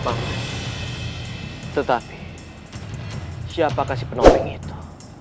bang tetapi siapakah si penopeng itu